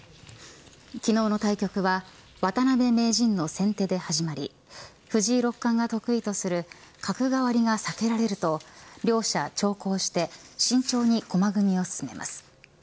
昨日の対局は渡辺名人の先手で始まり藤井六冠が得意とする角換わりが避けられると両者長考して慎重に駒組を進めます。